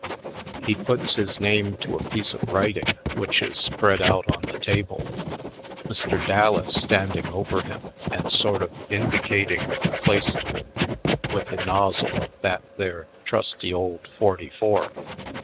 He puts his name to a piece of writing which is spread out on the table, Mr. Dallas standing over him and sort of indicating the place to him with the nozzle of that there trusty old forty four.